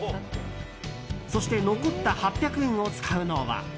そして残った８００円を使うのは。